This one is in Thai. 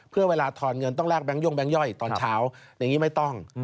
เพื่อเวลาทอนเงินต้องแลกแก๊งย่งแก๊งย่อยตอนเช้าอย่างนี้ไม่ต้อง